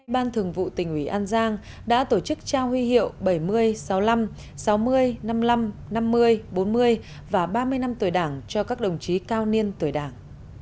ban thường vụ tỉnh ủy an giang đã tổ chức trao huy hiệu bảy mươi sáu mươi năm sáu mươi năm mươi năm năm mươi bốn mươi và ba mươi năm tuổi đảng cho các đồng chí cao niên tuổi đảng